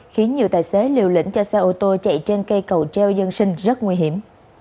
khiến nhiều tài xế liều lĩnh cho xe ô tô chạy trên cây cầu treo dân sinh rất nguy hiểm